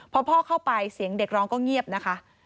พอพ่อเข้าไปเสียงเด็กร้องก็เงียบนะคะ